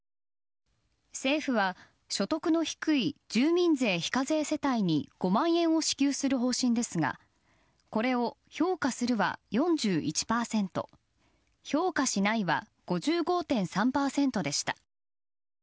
政府は、所得の低い住民税非課税世帯に５万円を支給する方針ですがこれを評価するは４１％評価しないは５５．３％でした。